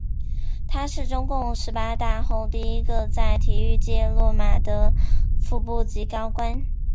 他是中共十八大后第一个在体育界落马的副部级高官。